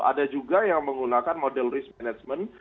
ada juga yang menggunakan model risk management